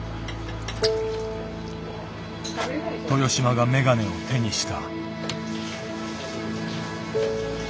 豊島が眼鏡を手にした。